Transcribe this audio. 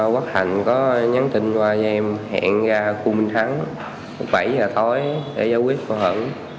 quác thành có nhắn tin qua cho em hẹn ra khu minh thắng bảy h tối để giải quyết mâu thuẫn